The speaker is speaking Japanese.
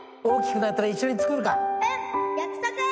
大きくなったら一緒に作るか。